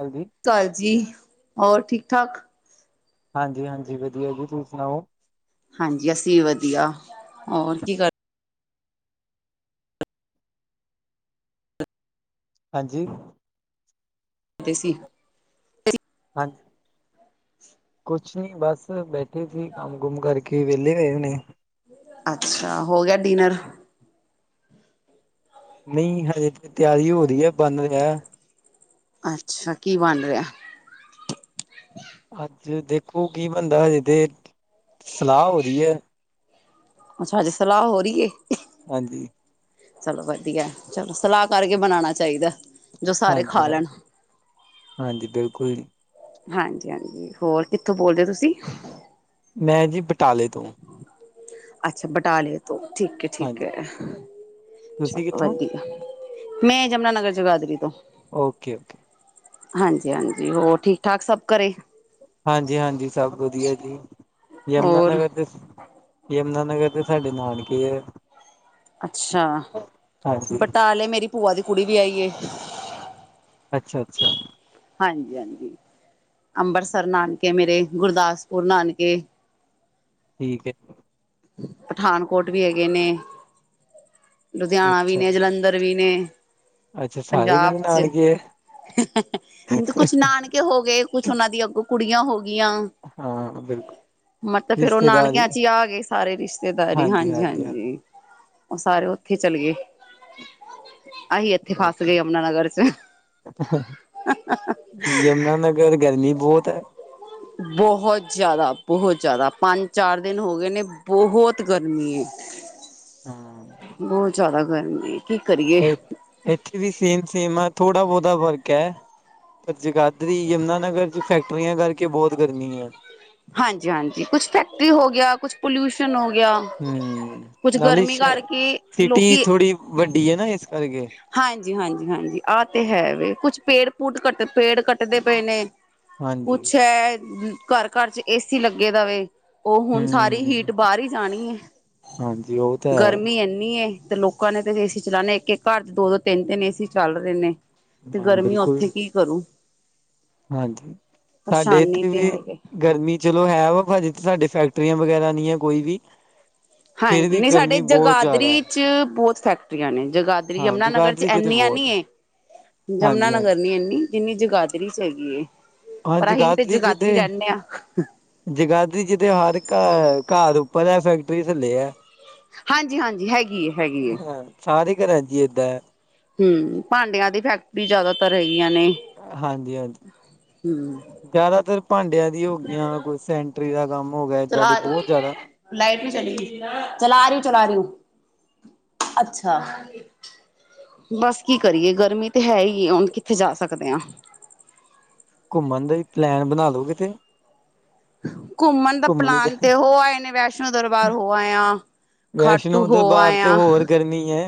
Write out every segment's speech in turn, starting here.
ਹਾਂਜੀ? ਕਾਲਜੀ, ਹੋਰ ਠੀਕ ਠਾਕ? ਹਾਂਜੀ-ਹਾਂਜੀ ਵਧੀਆ ਜੀ, ਤੁਸੀਂ ਸੁਣਾਓ? ਹਾਂਜੀ ਅਸੀਂ ਵਧੀਆ ਹੋਰ ਕੀ ਕਰ ਹਾਂਜੀ? ਦੇ ਸੀ ਹਾਂਜੀ, ਕੁਛ ਨੀ ਬਸ ਬੈਠੇ ਸੀ, ਕੰਮ ਕੁੁੰਮ ਕਰਕੇ ਵਿਹਲੇ ਹੋਏ ਹੁੰਨੇ। ਅੱਛਾ, ਹੋ ਗਿਆ ਡਿਨਰ? ਨਹੀਂ ਹਜੇ ਤੇ ਤਿਆਰੀ ਹੋ ਰਹੀ ਹੈ, ਬਣ ਰਿਹਾ। ਅੱਛਾ, ਕੀ ਬਣ ਰਿਹਾ? ਅੱਜ ਦੇਖੋ ਕੀ ਬੰਦਾ ਹਜੇ ਤੇ, ਸਲਾਹ ਹੋਰੀ ਹੈ। ਅੱਛਾ ਹਜੇ ਸਲਾਹ ਹੋ ਰਹੀ ਏ ਹਾਂਜੀ। ਚਲੋ ਵਧੀਆ, ਚਲੋ ਸਲਾਹ ਕਰਕੇ ਬਣਾਉਣਾ ਚਾਹੀਦਾ। ਜੋ ਸਾਰੇ ਖਾ ਲੈਣ ਹਾਂਜੀ-ਹਾਂਜੀ, ਹਾਂਜੀ ਬਿਲਕੁਲ ਜੀ। ਹਾਂਜੀ-ਹਾਂਜੀ, ਹੋਰ ਕਿੱਥੋਂ ਬੋਲਦੇ ਤੁਸੀਂ? ਮੈਂ ਜੀ ਬਟਾਲੇ ਤੋਂ। ਅੱਛਾ ਬਟਾਲੇ ਤੋਂ ਠੀਕ ਹੈ ਠੀਕ ਹਾਂਜੀ ਹੈ। ਅੱਛਾ ਤੁਸੀਂ ਕਿੱਥੋਂ? ਵਧੀਆ, ਮੈਂ ਯਮੁਨਾਨਗਰ ਜਗਾਧਰੀ ਤੋਂ। Okay okay. ਹਾਂਜੀ-ਹਾਂਜੀ, ਹੋਰ ਠੀਕ ਠਾਕ ਸਭ ਘਰੇ? ਹਾਂਜੀ-ਹਾਂਜੀ ਸਭ ਵਧੀਆ ਜੀ। ਯਮੁਨਾ ਹੋਰ ਨਗਰ ਤੇ ਯਮੁਨਾਨਗਰ ਤੇ ਸਾਡੇ ਨਾਨਕੇ ਹੈ। ਅੱਛਾ, ਹਾਂਜੀ ਬਟਾਲੇ ਮੇਰੀ ਭੂਆ ਦੀ ਕੁੜੀ ਵਿਹਾਈ ਹੈ। ਅੱਛਾ-ਅੱਛਾ ਹਾਂਜੀ-ਹਾਂਜੀ। ਅੰਬਰਸਰ ਨਾਨਕੇ ਮੇਰੇ, ਗੁਰਦਾਸਪੁਰ ਨਾਨਕੇ ਠੀਕ ਹੈ। ਪਠਾਨਕੋਟ ਵੀ ਹੈਗੇ ਨੇ ਲੁਧਿਆਣਾ ਵੀ ਅੱਛਾ। ਨੇ, ਜਲੰਧਰ ਵੀ ਨੇ ਅੱਛਾ ਸਾਰੇ ਪੰਜਾਬ ਕਿਤੇ ਚ, ਨਾਨਕੇ ਹੈ? ਕੁਛ ਨਾਨਕੇ ਹੋ ਗਏ, ਕੁੱਛ ਉਹਨਾਂ ਦੀ ਅੱਗੋਂ ਕੁੜੀਆਂ ਹੋ ਗਿਆ। ਹਾਂ ਬਿਲਕੁਲ ਮਤਲਬ ਫੇਰ ਉਹ ਨਾਨਕਿਆਂ ਰਿਸ਼ਤੇਦਾਰੀ ਚ ਹੀ ਆ ਗਏ ਸਾਰੇ ਰਿਸ਼ਤੇਦਾਰੀ, ਹਾਂਜੀ ਹਾਂਜੀ ਉਹ ਸਾਰੇ ਉਥੇ ਚਲੇ ਗਏ। ਅਸੀਂ ਇੱਥੇ ਫਸ ਗਏ ਓਕੇ ਯਮੁਨਾਨਗਰ ਚ। ਯਮੁਨਾਨਗਰ ਗਰਮੀ ਬਹੁਤ ਹੈ। ਬਹੁਤ ਜ਼ਿਆਦਾ! ਬਹੁਤ ਜਿਆਦਾ! ਪੰਜ-ਚਾਰ ਦਿਨ ਹੋ ਗਏ ਨੇ ਬਹੁਤ ਗਰਮੀ ਏ। ਹਾਂ ਬਹੁਤ ਜ਼ਿਆਦਾ, ਗਰਮੀ ਕੀ ਕਰੀਏ? ਇਹ ਇੱਥੇ ਵੀ, ਸੇਮ -ਸੇਮ ਆ, ਥੋੜਾ ਬਹੁਤਾ ਫਰਕ ਹੈ, ਪਰ ਜਗਾ ਇੱਧਰ ਯਮੁਨਾਨਗਰ ਚ, ਫੈਕਟਰੀਆਂ ਕਰਕੇ ਬਹੁਤ ਗਰਮੀ ਹੈ। ਹਾਂਜੀ- ਹਾਂਜੀ, ਕੁਛ ਫੈਕਟਰੀ ਹੋ ਗਿਆ, ਕੁਛ ਪੋਲਿਊਸ਼ਨ ਹੋ ਗਿਆ। ਹੂੰ, ਕੁਛ ਨਾਲੇ ਗਰਮੀ ਸ਼ ਕਰਕੇ ਸਿਟੀ ਲੋਕੀ ਥੋੜ੍ਹੀ ਵੱਡੀ ਹੈ ਨਾ, ਇਸ ਕਰਕੇ। ਹਾਂਜੀ -ਹਾਂਜੀ, ਹਾਂਜੀ ਆਹ ਤੇ ਹੈ ਵੇ, ਕੁਛ ਪੇੜ- ਪੂੜ ਕੱਟ ਪੇੜ ਕੱਟਦੇ ਪਏ ਨੇ। ਹਾਂਜੀ ਕੁਛ ਐ, ਘਰ -ਘਰ ਚ ਏਸੀ ਲੱਗੇ ਦਾ ਵੇ। ਉਹ, ਹੁਣ ਸਾਰੀ ਹਮ ਹੀਟ ਬਾਹਰ ਹੀ ਜਾਣੀ ਹੈ, ਹਾਂਜੀ ਉਹ ਤਾਂ ਹੈ ਗਰਮੀ ਇੰਨੀ ਐ ਤੇ ਲੋਕ ਲੋਕਾਂ ਨੇ ਤੇ, ਏਸੀ ਚਲਾਉਣੇ, ਇੱਕ- ਇੱਕ ਘਰ ਚ ਦੋ- ਦੋ, ਤਿੰਨ -ਤਿੰਨ ਏਸੀ ਚੱਲ ਰਹੇ ਨੇ, ਤੇ ਹਾਂ ਗਰਮੀ ਬਿਲਕੁਲ ਉੱਥੇ ਕੀ? [unintelligible] ਹਾਂਜੀ, ਸਾਡੇ ਪਰੇਸ਼ਾਨੀ ਇੱਥੇ ਤੇ ਵੀ ਹੈਗੇ ਗਰਮੀ ਚਲੋ ਹੈ ਵਾ, ਭਾਜੀ ਇੱਥੇ ਸਾਡੇ ਫੈਕਟਰੀਆਂ, ਵਗੈਰਾ ਨਹੀਂ ਹੈ ਕੋਈ ਵੀ। ਫਿਰ ਹਾਂਜੀ, ਵੀ ਨਹੀਂ ਸਾਡੇ ਗਰਮੀ ਬਹੁਤ ਜ਼ਿਆਦਾ ਹੈ। ਜਗਾਦਰੀ ਚ ਬਹੁਤ ਫੈਕਟਰੀਆਂ ਨੇ, ਜਗਾਦਰੀ, ਹਾਂ ਯਮੁਨਾ ਨਗਰ ਜਗਾਦਰੀ ਚ ਤੇ ਇੰਨੀਆਂ ਬਹੁਤ ਨਹੀਂ, ਯਮੁਨਾ ਹਾਂਜੀ ਨਗਰ ਹਾਂਜੀ ਨਹੀਂ ਇੰਨੀ, ਜਿੰਨੀ ਜਗਾਦਰੀ ਚ ਹੈਗੀ। ਪਰ, ਅਸੀਂ ਵੀ ਤੇ ਜਗਾਦਰੀ ਰਹਿੰਦੇ ਹਾਂ। ਜਗਾਦਰੀ ਜਿਹਦੇ, ਹਰ ਘਰ ਉੱਪਰ ਹੈ, ਫੈਕਟਰੀ ਥੱਲੇ ਹੈ ਹਾਂਜੀ- ਹਾਂਜੀ, ਹੈਗੀ ਹੈ। ਹਾਂ, ਸਾਰੇ ਘਰਾਂ ਚ ਇ ਏੱਦਾ ਹੈ। ਹਮ, ਭਾਂਡਿਆਂ ਦੀ ਫੈਕਟਰੀ ਜ਼ਿਆਦਾਤਰ ਹੈਗੀਆਂ ਨੇ। ਹਾਂਜੀ, ਹਾਂਜੀ ਹੂੰ। ਜ਼ਿਆਦਾ ਤਰ ਭਾਂਡਿਆਂ ਦੀ ਹੋਗਿਆਂ ਕੋਈ ਸੈਂਟ, ਫੈਕਟਰੀ ਦਾ ਕੰਮ ਹੋ ਗਿਆ ਏਦਾਂ ਚਲਾ ਦੇ ਬਹੁਤ ਜ਼ਿਆਦਾ, ਲਾਈਟ ਵੀ ਚਲੀ ਗਈ, ਚਲਾ ਰੀ, ਚਲਾ ਰੀ ਊ, ਅੱਛਾ। ਬਸ ਕੀ ਕਰੀਏ ਗਰਮੀ ਤੇ ਹੈ ਈ ਐ, ਹੁਣ ਕਿੱਥੇ ਜਾ ਸਕਦੇ ਆ। ਘੁੰਮਣ ਦਾ ਹੀ ਪਲੈਨ ਬਣਾ ਲਓ ਕਿਤੇ, ਘੁੰਮਣ ਦਾ ਪਲਾਨ ਤੇ ਓ ਆਏ ਨੇ ਵੈਸ਼ਨੋ ਦਰਬਾਰ ਹੋ ਆਏ ਆ। ਖਾਟੂ ਵੈਸ਼ਨੋ ਦਰਬਾਰ ਤੇ ਹੋਰ ਗਰਮੀ ਐ।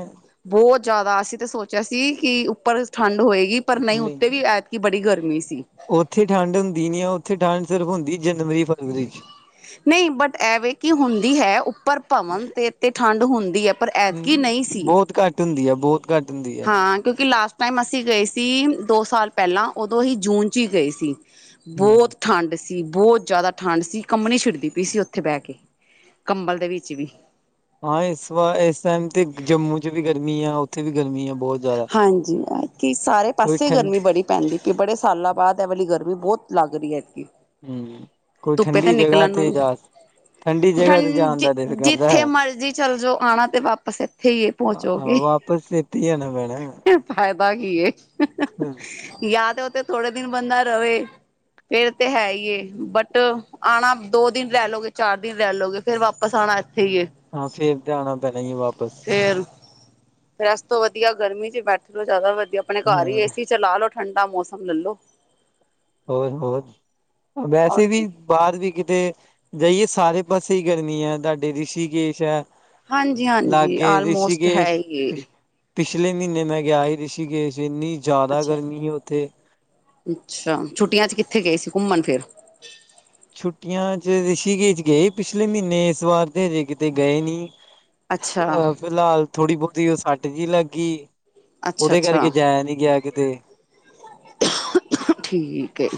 ਬੋ ਜਾਦਾ ਅਸੀ ਤੇ ਸੋਚੇਆ ਸੀ ਕਿ ਉਪਰ ਠਾੰਡ ਹੋਏਗੀ ਪਰ ਨਈ ਨਹੀਂ ਉਤੇ ਵੀ ਐ ਕਿ ਬੜੀ ਗਰਮੀ ਸੀ। ਉੱਥੇ ਠੰਡ ਹੁੰਦੀ ਨੀ ਆ ਉੱਥੇ ਠੰਢ ਸਿਰਫ਼ ਹੁੰਦੀ ਫੇਰ ਜਨਵਰੀ ਫਰਵਰੀ ਚ। ਨਹੀਂ ਬਟ ਐਵੇਂ ਕਿ ਹੁੰਦੀ ਹੈ ਉੱਪਰ ਭਵਨ ਤੇ ਤੇ ਠੰਡ ਹੁੰਦੀ ਹੈ ਪਰ ਐਤਕੀ ਨਹੀਂ ਸੀ। ਹੁੰਦੀਏ ਬਹੁਤ ਘੱਟ ਹੁੰਦੀ ਆ। ਹਾਂ ਕਿਉਂਕਿ ਲਾਸਟ ਟਾਈਮ ਅਸੀਂ ਗਏ ਸੀ ਦੋ ਸਾਲ ਪਹਿਲਾਂ ਉਦੋਂ ਅਹੀ ਜੂਨ ਚ ਹੀ ਗਏ ਸੀ। ਹਮ ਬੋਤ ਠਾੰਡ ਸੀ, ਬੋਤ ਜਾਦਾ ਠਾੰਡ ਸੀ, ਕੰਮਨੀ ਛਿੜਦੀ ਪਈ ਸੀ ਓਥੇ ਬੈ ਕੇ। ਕੰਬਲ ਦੇ ਵਿੱਚ ਵੀ ਹਾਂ ਇਸ ਵਾਰ ਇਸ ਟਾਈਮ ਤੇ ਜੰਮੂ ਚ ਵੀ ਗਰਮੀ ਆ ਉੱਥੇ ਵੀ ਗਰਮੀ ਆ ਬਹੁਤ ਜ਼ਿਆਦਾ। ਹਾਂਜੀ ਕਿ ਸਾਰੇ ਕੋਈ ਪਾਸੇ ਠੰਡ ਗਰਮੀ ਬੜੀ ਪੈਂਦੀ ਕਿ ਬੜੇ ਸਾਲਾਂ ਬਾਅਦ ਇਹ ਵਾਲੀ ਗਰਮੀ ਬਹੁਤ ਲੱਗ ਰਹੀ ਐ। ਹੂੰ, ਕੋਈ ਠੰਡੀ ਜਗ੍ਹਾ ਤੇ ਜਾ ਠੰਡੀ ਜਗ੍ਹਾ ਤੇ ਜਾਣ ਠੰਡ, ਦਾ ਦਿਲ ਕਰਦਾ ਹੈ। ਜਿੱਥੇ ਮਰਜ਼ੀ ਚੱਲੇ ਜਾਓ, ਆਉਣਾ ਤੇ ਵਾਪਸ ਇੱਥੇ ਹੀ ਹੈ, ਹਾਂ ਪਹੁੰਚੋਗੇ ਵਾਪਸ ਤੇ, ਇਥੇ ਈ ਆਣਾ ਪੈਣਾ। ਫ਼ਾਇਦਾ ਕੀ ਹੈ, ਯਾ ਤਾਂ ਉਥੇ ਥੋੜੇ ਦਿਨ ਬੰਦਾ ਰਵੇ। ਫੇਰ ਤੇ ਹੈ ਹੀ ਏ, ਬਟ ਆਉਣਾ, ਦੋ ਦਿਨ ਰਹਿ ਲਉਗੇ, ਚਾਰ ਦਿਨ ਰਹਿ ਲਉਗੇ ਫੇਰ, ਵਾਪਸ ਆਉਣਾ ਇੱਥੇ ਹੀ ਏ ਹਾਂ ਫੇਰ ਤੇ, ਆਉਣਾ ਪੈਣਾ ਹੀ ਐ ਵਾਪਸ ਫੇਰ, ਫੇਰ ਇਸ ਤੋਂ ਵਧੀਆ, ਗਰਮੀ ਚ ਬੈਠੇ ਰਹੋ, ਜ਼ਿਆਦਾ ਵਧੀਆ, ਆਪਣੇ ਘਰ ਹੀ ਹਾਂ ਏਸੀ ਚ ਲਾ ਲੋੋ ਠੰਡਾ ਮੌਸਮ ਲੱਲੋ। ਹੋਰ, ਹੋਰ ਵੈਸੇ ਔਰ ਵੀ ਕੀ ਬਾਹਰ ਵੀ ਕਿਤੇ ਜਾਈਏ, ਸਾਰੇ ਪਾਸੇ ਈ ਗਰਮੀ ਐ। ਤੁਹਾਡੇ ਰਿਸ਼ੀਕੇਸ਼ ਐ ਹਾਂਜੀ ਹਾਂਜੀ ਲਾਗੇ ਆਲਮੋਸਟ ਹੈ ਰਿਸ਼ੀਕੇਸ਼ ਹੀ ਏ ਪਿਛਲੇ ਮਹੀਨੇ ਮੈਂ ਗਿਆ ਹੀ ਰਿਸ਼ੀਕੇਸ਼, ਇੰਨੀ ਜ਼ਿਆਦਾ ਅੱਛਾ ਗਰਮੀ ਹੀ ਉੱਥੇ ਅੱਛਾ! ਛੁੱਟੀਆਂ ਚ ਕਿੱਥੇ ਗਏ ਸੀ ਘੁੰਮਣ ਫਿਰ? ਛੁੱਟੀਆਂ ਚ ਰਿਸ਼ੀਗੇਜ ਗਏ ਪਿਛਲੇ ਮੀਨੇ ਇਸ ਵਾਰ ਤੇ ਹਜੇ ਕਿਤੇ ਗਏ ਨੀ। ਅੱਛਾ ਅ ਫਿਲਾਲ ਥੋੜੀ ਬੌਤੀ ਓ ਸੱਟ ਜੀ ਲੱਗੀ ਅੱਛਾ ਉਹਦੇ ਕਰਕੇ ਅੱਛਾ ਜਾਇਆ ਨੀ ਗਿਆ ਕਿਤੇ। ਠੀਕ ਏ।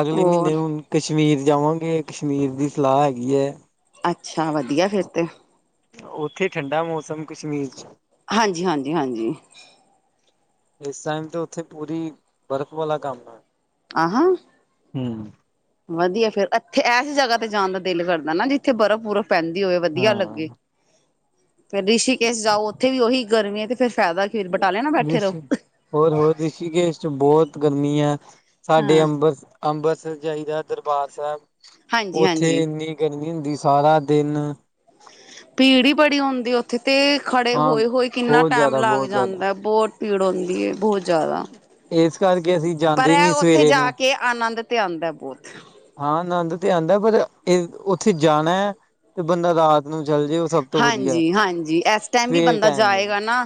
ਅਗਲੇ ਮ੍ਹੀਨੇ ਹੋਰ ਹੁਨ ਕਸ਼ਮੀਰ ਜਾਵਾਂਗੇ ਕਸ਼ਮੀਰ ਦੀ ਸਲਾਅ ਹੈਗੀ ਐ। ਅੱਛਾ, ਵਦੀਆ ਫਿਰ ਤੇ। ਉੱਥੇ ਠੰਡਾ ਮੌਸਮ ਕਸ਼ਮੀਰ ਚ। ਹਾਂਜੀ ਹਾਂਜੀ ਹਾਂਜੀ। ਇਸ ਟਾਈਮ ਤੇ ਉਥੇ ਪੂਰੀ ਬਰਫ਼ ਵਾਲਾ ਕਾੰਮ ਐ। ਆ ਹ ਹੂੰ। ਵਧੀਆ ਫੇਰ ਇੱਥੇ ਐਸ ਜਗ੍ਹਾ ਤੇ ਜਾਣ ਦਾ ਦਿਲ ਕਰਦਾ ਨਾ ਜਿੱਥੇ ਬਰਫ਼ ਬੁਰਫ ਪੈਂਦੀ ਹੋਵੇ ਵਦੀਆ ਲੱਗੇ ਹਾਂ ਫਿਰ ਰਿਸ਼ੀਕੇਸ਼ ਜਾਓ ਉਥੇ ਵੀ ਓਹੀ ਗਰਮੀ ਐ ਕੇ ਫੇਿਰ ਫਾਇਦਾ ਕੀ ਫਰ ਬਟਾਲੇ ਨਾ ਬੈਠੇ ਰਿਸ਼ੀ ਰਹੋ। ਹੋਰ ਹੋਰ ਰਿਸ਼ੀਕੇਸ਼ ਚ ਬਹੁਤ ਗਰਮੀ ਆ ਸਾਡੇ ਹਾਂ। ਅੰਬਰ ਅੰਬਰਸਰ ਜਾਈਦੈ ਦਰਬਾਰ ਸੈਬ, ਹਾਂਜੀ ਓਥੇ ਹਾਂਜੀ ਇੰਨੀ ਸਾਰਾ ਦਿਨ ਭੀੜ ਈ ਬੜੀ ਹੁੰਦੀ ਓਥੇ ਤੇ ਖੜੇ ਹਾਂ ਹੋਏ-ਹੋਏ ਕਿੰਨਾ ਬਹੁਤ ਟੈਮ ਜ਼ਿਆਦਾ ਲੱਗ ਬਹੁਤ ਜ਼ਿਆਦਾ ਜਾਂਦਾ ਬੌਟ। ਭੀੜ ਹੋਂਦੀ ਏ ਬਹੁਤ ਜਿਆਦਾ, ਇਸ ਕਰਕੇ ਅਸੀਂ ਪਰ ਜਾਂਦੇ ਐ ਨੀ ਓੱਥੇ ਸਵੇਰੇ ਜਾ ਨੂੰ ਕੇ ਆਨੰਦ ਤੇ ਆਂਦੈ ਬਹੁਤ ਹਾਂ, ਆਨੰਦ ਤੇ ਆਂਦੈ ਪਰ ਏ ਉੱਥੇ ਜਾਨੈ, ਤੇ ਬੰਦਾ ਰਾਤ ਨੂੰ ਚੱਲ ਜੇ ਉਹ ਸਭ ਤੋਂ ਵਧੀਆ ਹਾਂਜੀ, ਹਾਂਜੀ, ਐਸ ਟੈਮ ਵੀ ਸਵੇਰ ਬੰਦਾ ਟਾਈਮ ਨੀ ਜਾਏਗਾ ਨਾ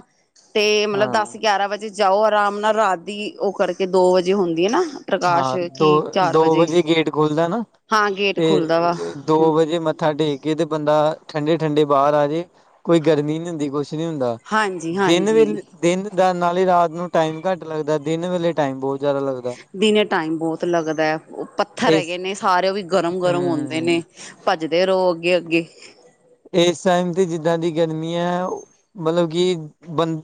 ਤੇ ਮਤਲਬ ਹਾਂ ਦੱਸ-ਗਿਆਰਾਂ ਵਜੇ ਜਾਉ, ਆਰਾਮ ਨਾਲ ਰਾਤ ਦੀ ਔ ਕਰਕੇ ਦੋ, ਵਜੇ ਹੁੰਦੀ ਐ ਨਾ। ਪ੍ਰਕਾਸ਼ ਹਾਂ, ਦੋ, ਕੀ ਚਾਰ ਦੋ ਵਜੇ ਗੇਟ ਖੁਲਦੈ ਨਾ, ਹਾਂ ਗੇਟ ਤੇ ਖੁੱਲਦਾ ਵਾ ਦੋ ਵਜੇ ਮੱਥ ਮੱਥਾ ਟੇਕ ਕੇ ਤੇ ਬੰਦਾ, ਠੰਡੇ-ਠੰਢੇ ਬਾਹਰ ਆਜੇ। ਕੋਈ ਗਰਮੀ ਨੀ ਹੁੰਦੀ, ਕਛ ਨੀ ਹੁੰਦਾ, ਹਾਂਜੀ ਦਿਨ ਹਾਂਜੀ ਵੇਲੇ ਦਿਨ ਦਾ, ਨਾਲੇ ਰਾਤ ਨੂੰ ਟਾਈਮ ਘੱਟ ਲੱਗਦੈ, ਦਿਨ ਵੇਲੇ ਟਾਈਮ ਬਹੁਤ ਜਾਦਾ ਲੱਗਦੈ। ਦਿਨੇ ਟਾਈਮ ਬਹੁਤ ਲੱਗਦੈ, ਪੱਥਰ ਯ ਪੱਥਰ ਹੈਗੇ ਇਸ ਨੇ ਸਾਰੇ ਓ ਵੀ ਗਰਮ- ਗਰਮ ਹੋਂਦੇ ਹਮ ਨੇ। ਭੱਜਦੇ ਰਹੋ ਅੱਗੇ-ਅੱਗੇ? ਏਸ ਟਾਈਮ ਤੇ, ਜਿੱਦਾਂ ਦੀ ਗਰਮੀ ਐ ਮਲਬ ਕਿ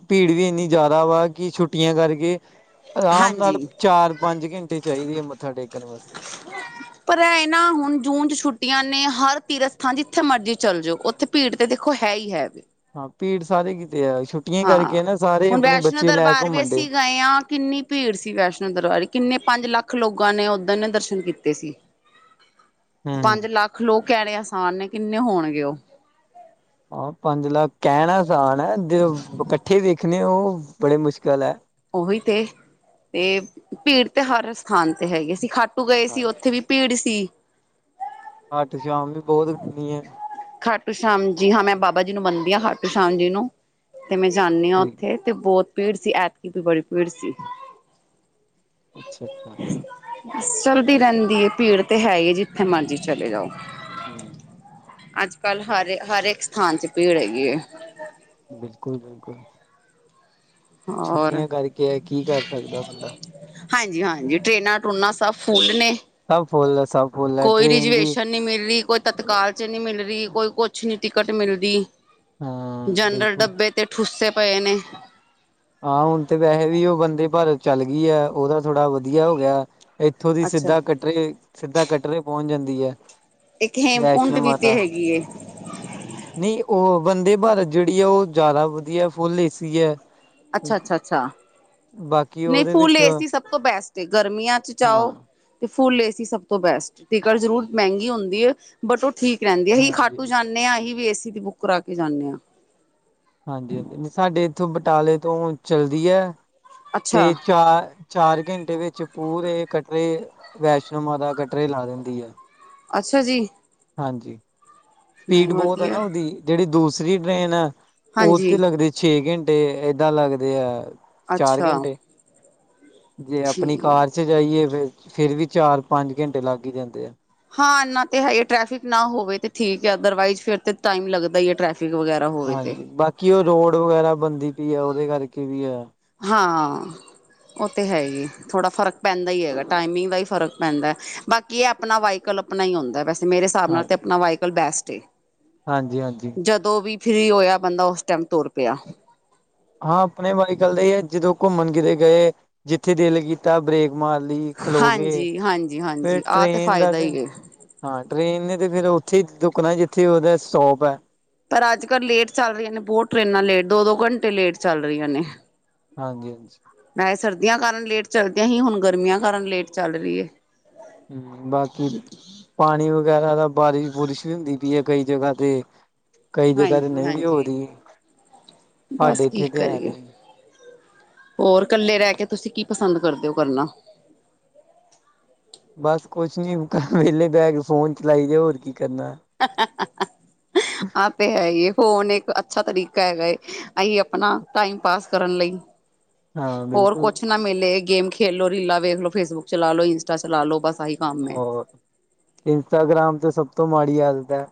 ਭੀੜ ਵੀ ਏਨੀ ਜਾਦਾ ਵਾ, ਕਿ ਛੁੱਟੀਆਂ ਕਰਕੇ ਅਰਾਮ ਨਾਲ ਹਾਂਜੀ ਚਾਰ-ਪੰਜ ਘੰਟੇ ਚਾਹੀਦੇ ਐ, ਮੱਥਾ ਟੇਕਣ ਵਾਸਤੇ ਪਰ ਐ ਏ ਨਾ, ਹੁਨ ਜੂਨ ਚ ਛੁੱਟੀਆਂ ਨੇ, ਹਰ ਤੀਰਥ ਸਥਾਨ ਜਿੱਥੇ ਮਰਜ਼ੀ ਚੱਲ ਜੋ, ਓੱਥੇ ਭੀੜ ਤੇ, ਦੇਖੋ ਹੈ ਈ ਹੈ ਵੇ। ਹਾਂ, ਭੀੜ ਸਾਰੇ ਕਿਤੇ ਐ, ਛੁੱਟੀਆਂ ਹਾਂ ਕਰਕੇ ਨਾ, ਸਾਰੇ ਹੁਣ ਅਪਣੇ ਵੈਸ਼ਨੋ ਬੱਚੇ ਲੈ ਦਰਬਾਰ ਵੀ ਘੁੰਮਣ ਡਏ ਅਸੀਂ ਗਏ ਹਾਂ ਕਿੰਨੀ ਭੀੜ ਸੀ, ਵੈਸ਼ਨੋ ਦਰਬਾਰ, ਕਿੰਨੇ ਪੰਜ ਲੱਖ ਲੋਗਾਂ ਨੇ ਓੱਦਨ ਦਰਸ਼ਨ ਕੀਤੇ ਸੀ। [inaudible] ਪੰਜ ਲੱਖ ਲੋਕ ਕਹਿਣੇ ਆਸਾਨ ਨੇ ਕਿੰਨੇ ਹੋਣਗੇ ਉਹ ਐ ਪੰਜ ਲੱਖ ਕੈਨਾ ਆਸਾਨ ਐ ਜੇ ਓ ਕੱਠੇ ਵੇਖਨੇ ਓ ਬੜੇ ਮੁਸ਼ਕਿਲ ਐ। ਓਹੀ ਤੇ, ਤੇ ਭੀੜ ਤੇ ਹਰ ਸਥਾਨ ਤੇ ਹੈਗੀ ਸੀ ਖਾਟੂ ਗਏ ਸੀ ਹਾਂਜੀ ਓੱਥੇ ਵੀ ਪੀੜ ਸੀ। ਅੱਠ ਸ਼ਾਮ ਨੂੰ ਬਹਤ ਗਰਮੀ ਏ। ਖਾਟੂ ਸ਼ਾਮ, ਜੀ ਹਾਂ, ਮੈਂ ਬਾਬਾ ਜੀ ਨੂੰ ਮੰਨਦੀ ਆਂ, ਖਾਟੂ ਸ਼ਾਮ ਜੀ ਨੂੰ, ਤੇ ਮੈਂ ਜਾਨੀ ਆਂ ਠੀਕ ਓੱਥੇ। ਤੇ ਬਹੁਤ ਭੀੜ ਸੀ, ਐਤਕੀ ਵੀ ਬੜੀ ਭੀੜ ਸੀ। ਅੱਛਾ, ਅੱਛਾ। ਸੱਲਦੀ ਰਹਿੰਦੀ ਏ, ਭੀੜ ਤੇ ਹੈ ਈ ਏ, ਜਿੱਥੇ ਮਰਜੀ ਚਲੇ ਜਾਓ। ਹੂੰ। ਅੱਜ-ਕੱਲ ਹਰ, ਹਰ ਏਕ ਸਥਾਨ ਚ ਭੀੜ ਹੈਗੀ ਏ। ਬਿਲਕੁਲ, ਬਿਲਕੁਲ। ਔਰ ਛੁੱਟੀਆਂ ਕਰਕੇ ਐ, ਕੀ ਕਰ ਸਕਦਾ ਬੰਦਾ। ਹਾਂਜੀ, ਹਾਂਜੀ ਟਰੇਨਾਂ ਟਰੂਨਾ ਸਭ ਫੁੱਲ ਨੇ। ਸਵ ਫੁੱਲ ਐ ਸਵ ਕੋਈ ਰਿਜਵੇਸ਼ਨ ਨੀ ਮਿਲ ਰੀ, ਕੋਈ ਤਤਕਾਲ ਚ ਨੀ ਮਿਲ ਰੀ, ਕੋਈ ਕੋੱਛ ਨੀ ਟਿਕਟ ਮਿਲਦੀ। ਹਾਂ ਜਨਰਲ ਬਿਲਕੁਲ ਡੱਬੇ ਤੇ ਠੁੱਸੇ ਪਏ ਨੇ ਹਾਂ, ਹੁਨ ਤੇ ਵੈਹੇ ਵੀ ਓ ਵਂਦੇ ਭਾਰਤ ਚੱਲ ਗੀ ਐ ਓਦਾ ਥੋੜਾ ਵਦੀਆ ਹੋ ਗਿਆ। ਐਥੋਂ ਦੀ ਅੱਛਾ। ਸਿੱਧਾ ਕਟਰੇ, ਸਿੱਧਾ ਕਟਰੇ ਪੋਂਚ ਜਾਂਦੀ ਐ। ਇੱਕ ਹੇਮਕੁੰਡ ਵੈਸ਼ਨੋ ਵੀ ਤੇ ਮਾਤਾ ਹੈਗੀ ਏ। ਨਈ, ਓ ਵਂਦੇ ਭਾਰਤ ਜੇੜੀ ਐ ਓ ਜਾਦਾ ਵਦੀਐ, ਫੁੱਲ ਏ-ਸੀ ਐ। ਅੱਛਾ, ਅੱਛਾ, ਅੱਛਾ ਬਾਕੀ ਨਈ ਉਹਦੇ ਫੁੱਲ ਵਿੱਚ ਏ-ਸੀ ਸਭ ਤੋ ਬੈਸਟ ਏ ਗਰਮੀਆਂ ਚ ਹਾਂ ਜਾਓ ਤੇ ਫੁੱਲ ਏ-ਸੀ ਸਭ ਤੋ ਬੈਸਟ, ਟਿਕਟ ਜ਼ਰੂਰ ਮੈਂਗੀ ਹੁੰਦੀ ਏ ਬਟ ਓ ਠੀਕ ਰੈਂਦੀ ਏ‌। ਅਹੀ ਹਾਂਜੀ ਖਾਟੂ ਜਾਨੇ ਆਂ, ਅਹੀ ਵੀ ਏ-ਸੀ ਦੀ ਬੁੱਕ ਕਰਾਕੇ ਜਾਨੇ ਆਂ। ਹਾਂਜੀ, ਹਾਂਜੀ ਸਾਡੇ ਏਥੋ ਬਟਾਲੇ ਤੋ ਚਲਦੀ ਐ, ਅੱਛਾ, ਤੇ ਚਾਰ ਚਾਰ ਘੈਂਟੇ ਵਿੱਚ ਪੂਰੇ ਕਟਰੇ, ਵੈਸ਼ਨੋ ਮਾਤਾ ਕਟਰੇ ਲਾ ਦੇਂਦੀ ਐ। ਅੱਛਾ ਜੀ। ਹਾਂਜੀ, ਨਹੀਂ ਸਪੀਡ ਬੋਤ ਐ ਨਾ ਵਧੀਆ ਓਦੀ ਜੇੜੀ ਦੂਸਰੀ ਟਰੇਨ ਐ ਓ ਤੇ ਹਾਂਜੀ ਲੱਗਦੇ ਛੇ ਘੈਂਟੇ, ਏਦਾ ਲੱਗਦੇ ਐ ਚਾਰ ਅੱਛਾ ਘੈਂਟੇ ਜੇ ਆਪਨੀ ਠੀਕ। ਕਾਰ ਚ ਜਾਈਏ ਫੇਰ, ਫੇਰ ਵੀ ਚਾਰ-ਪੰਜ ਘੈਂਟੇ ਲੱਗ ਈ ਜਾਂਦੇ ਐ। ਹਾਂ, ਇਨਾ ਤੇ ਹੈਈ ਏ ਟ੍ਰੈਫਿਕ ਨਾ ਹੋਵੇ ਤੇ ਠੀਕ ਐ ਅਦਰਵਾਈਜ਼ ਫੇਰ ਤੇ ਟਾਈਮ ਲੱਗਦਾ ਈ ਐ ਟ੍ਰੈਫਿਕ ਵਗੈਰਾ ਹੋਵੇ ਤੇ। ਹਾਂਜੀ, ਬਾਕੀ ਉਹ ਰੋਡ ਵਗੈਰਾ ਬਣਦੀ ਪਈ ਐ ਉਹਦੇ ਕਰਕੇ ਵੀ ਐ। ਹਾਂ। ਉਹ ਤਾਂ ਹੈ ਹੀ ਥੋੜ੍ਹਾ ਫਰਕ ਪੈਂਦਾ ਹੀ ਹੈਗਾ ਟਾਈਮਿੰਗ ਦਾ ਹੀ ਫਰਕ ਪੈਂਦਾ, ਬਾਕੀ ਕੀ ਆਪਣਾ ਵਾਈਕਲ ਆਪਣਾ ਹੀ ਹੁੰਦਾ, ਵੈਸੇ ਮੇਰੇ ਹਿਸਾਬ ਨਾਲ ਤੇ ਆਪਣਾ ਵਾਇਕਲ ਬੈਸਟ ਏ। ਹਾਂਜੀ-ਹਾਂਜੀ। ਜਦੋਂ ਵੀ ਫਰੀ ਹੋਇਆ ਬੰਦਾ ਉਸ ਟਾਈਮ ਤੁਰ ਪਿਆ। ਹਾਂ, ਆਪਣੇ ਬਾਈਕੱਲ ਦਾ ਏ ਐ ਜਦੋਂ ਘੁੰਮਣ ਕਿਤੇ ਗਏ ਜਿੱਥੇ ਦਿਲ ਕੀਤਾ ਬ੍ਰਰੇਕ ਮਾਰ ਲੀ। ਖਲੋ ਗੇ, ਹਾਂਜੀ ਹਾਂਜੀ ਫੇਰ ਹਾਂਜੀ ਆਹ ਟ੍ਰਰੇਨ ਦਾ ਫਾਇਦਾ ਤੇ ਹੀ ਹੈ ਹਾਂ, ਟ੍ਰਰੇਨ ਨੇ ਤੇ ਫਿਰ ਉੱਥੇ ਹੀ ਰੁੱਕਣਾ ਜਿੱਥੇ ਉਹਦਾ ਸਟੋਪ ਐ। ਪਰ ਅੱਜ ਕੱਲ੍ਹ ਲੇਟ ਚੱਲ ਰਹੀਆਂ ਨੇ ਬਹੁਤ ਟਰੇਨਾਂ ਲੇਟ ਦੋ-ਦੋ ਘੰਟੇ ਲੇਟ ਚੱਲ ਰਹੀਆਂ ਨੇ। ਹਾਂਜੀ-ਹਾਂਜੀ। ਮੈਂ ਸਰਦੀਆਂ ਕਾਰਨ ਲੇਟ ਚੱਲਦੀਆਂ ਹੀ, ਹੁਣ ਗਰਮੀਆਂ ਕਾਰਨ ਲੇਟ ਚੱਲ ਰਹੀ ਐ। ਹੁੰ, ਬਾਕੀ ਪਾਣੀ ਵਗੈਰਾ ਦਾ ਬਾਰਿਸ਼ ਬੁਰਿਸ਼ ਵੀ ਹੁੰਦੀ ਪਈ ਐ ਕਈ ਜਗ੍ਹਾ ਤੇ। ਕਈ ਜਗ੍ਹਾ ਤੇ ਹਾਂਜੀ ਨਹੀਂ ਵੀ ਹੋ ਹਾਂਜੀ ਰਹੀ ਬਸ ਸਾਡੇ ਕੀ ਇੱਥੇ ਤੇ ਹੈ ਕਰੀਏ ਨਹੀਂ। ਹੋਰ ਇਕੱਲੇ ਰਹਿ ਕੇ ਤੁਸੀਂ ਕੀ ਪਸੰਦ ਕਰਦੇ ਹੋ ਕਰਨਾ? ਬਸ ਕੁਛ ਨੀ ਵੇਹਲੇ ਬਹਿਗ ਫੋਨ ਚਲਾਈ ਦੇ ਹੋਰ ਕੀ ਕਰਨਾ। ਆ ਤੇ ਹੈਈ ਏ ਫੋਨ ਏਕ ਅੱਛਾ ਤਰੀਕਾ ਹੈਗਾ ਏ, ਆਂਈ ਅਪਨਾ ਟਾਈਮ ਪਾਸ ਕਰਨ ਲਈ। ਹਾਂ ਔਰ ਬਿਲਕੁਲ ਕੋਛ ਨਾ ਮਿਲੇ ਗੇਮ ਖੇਲੋ, ਰੀਲਾਂ ਵੇਖ ਲੋ, ਫੇਸਬੁੱਕ ਚਲਾ ਲੋੋ, ਇੰਸਟਾ ਚਲਾ ਲੋ ਬੱਸ ਆਹੀ ਕੰਮ ਹੈ ਔਰ ਇੰਸਟਾਗ੍ਰਾਮ ਤੇ ਸਭ ਤੋ ਮਾੜੀ ਆਦਤ ਐ,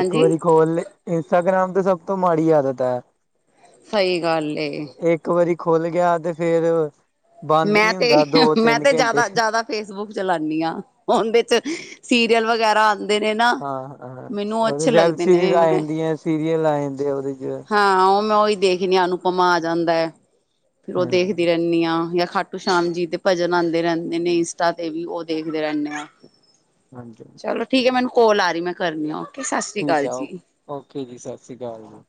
ਇੱਕ ਵਾਰੀ ਖੋਲ ਲੇ ਇੰਸਟਾਗ੍ਰਾਮ ਤੇ ਸਭ ਤੋ ਮਾੜੀ ਆਦਤ ਐ। ਸਈ ਗੱਲ ਏ। ਇੱਕ ਵਾਰੀ ਖੁੱਲ ਗਿਆ ਤੇ ਫੇਰ ਬੰਦ ਮੈਂ ਨੀ ਤੇ ਹੁੰਦਾ ਦੋ ਮੈਂ ਤਿੰਨ ਤੇ ਘੰਟੇ ਜਾਦਾ ਜਾਦਾ ਫੇਸਬੁੱਕ ਚਲਾਣੀ ਹਾਂ, ਉਂਦੇ ਚ ਸੀਰੀਅਲ ਵਗੈਰਾ ਆਂਦੇ ਨੇ ਨਾ ਹਾਂ-ਹਾਂ, ਮੈਨੂੰ ਉਹ ਅੱਛੇ ਵੈਬ ਲੱਗਦੇ ਸੀਰੀਜ਼ ਨੇ ਆ ਮੈਂ ਜਾਂਦੀ ਐ ਸੀਰੀਅਲ ਆ ਜਾਂਦੇ ਐ ਉਹਦੇ ਚ। ਹਾਂ, ਉਹ ਮੈਂ ਉਹੀ ਦੇਖਦੀ ਹ ਅਨੁਪਮਾ ਆ ਜਾਂਦਾ ਐ ਫੇਰ ਉਹ ਦੇਖਦੀ ਹਮ ਰਹਿੰਦੀ ਹਾਂ ਯਾ ਖਾਟੂ ਸ਼ਾਮ ਜੀ ਤੇ ਭਜਨ ਆਂਦੇ ਰੈਂਦੇ ਨੇ, ਇੰਸਟਾ ਤੇ ਵੀ ਓ ਦੇਖਦੇ ਰੈਨੇ ਆ ਹਾਂਜੀ-ਹਾਂਜੀ। ਚਲੋ ਠੀਕ ਏ ਮੈਨੂੰ ਕੋਲ ਆ ਰੀ ਮੈਂ ਕਰਨੀ ਆ ਸਤਿ ਸ੍ਰੀ ਠੀਕ ਅਕਾਲ ਐ, ਓ ਜੀ। ਓਕੇ ਜੀ ਸਾਸ੍ਰੀ ਕਾਲ ਜੀ।